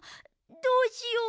どうしよう。